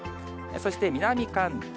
そして南関東。